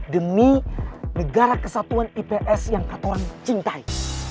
demi negara kesatuan ips yang ketoran cintai